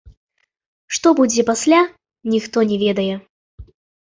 Што будзе пасля, ніхто не ведае.